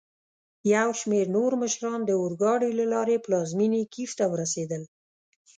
یوشمیرنورمشران داورګاډي له لاري پلازمېني کېف ته ورسېدل.